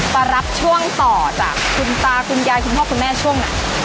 มารับช่วงต่อจากคุณตาคุณยายคุณพ่อคุณแม่ช่วงไหน